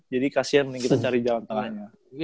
jadi kasihan mending kita cari jalan tengahnya